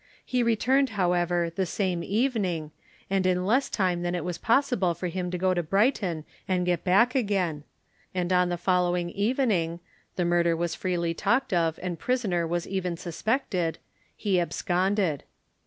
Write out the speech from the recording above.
He returned, however, the same evening, and in less time than it was possible for him to go to Brighton and get back again; and on the following evening, the murder was freely talked of, and prisoner was even suspected, he absconded.